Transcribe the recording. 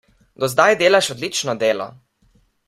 Do zdaj delaš odlično delo.